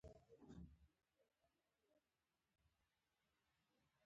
لویې او ملې پروژې خو په ځای پرېږده.